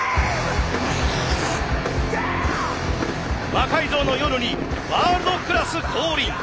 「魔改造の夜」にワールドクラス降臨。